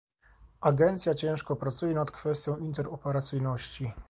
Agencja ciężko pracuje nad kwestią interoperacyjności